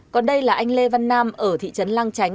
còn đây là anh lê văn nam ở thị trấn lang chánh